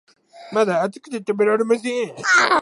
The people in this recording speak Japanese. まだ熱くて食べられません